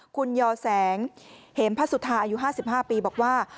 คุณยอแสงเหมพระสุธาอายุ๕๕ปีบอกว่า